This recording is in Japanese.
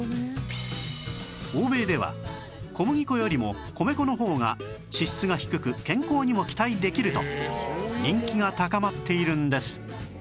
欧米では小麦粉よりも米粉の方が脂質が低く健康にも期待できると人気が高まっているんです